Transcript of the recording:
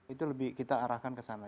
itu lebih kita arahkan ke sana